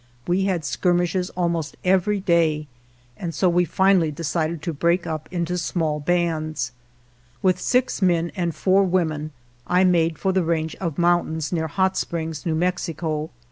We had skirmishes almost every day, and so we finally decided to break up into small bands. With six men and four women I made for the range of mountains near Hot Springs, New Mex ico.